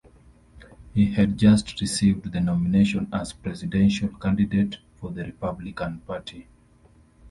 He had just received the nomination as presidential candidate for the Republican Party.